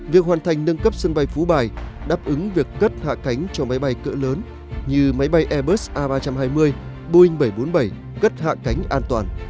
việc hoàn thành nâng cấp sân bay phú bài đáp ứng việc cất hạ cánh cho máy bay cỡ lớn như máy bay airbus a ba trăm hai mươi boeing bảy trăm bốn mươi bảy cất hạ cánh an toàn